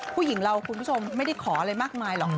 ผู้หญิงเราคุณผู้ชมไม่ได้ขออะไรมากมายหรอก